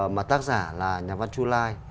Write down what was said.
mà tác giả là nhà văn chu lai